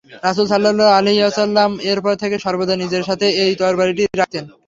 রাসূল সাল্লাল্লাহু আলাইহি ওয়াসাল্লাম এরপর থেকে সর্বদা নিজের সাথে এই তরবারিটিই রাখতেন।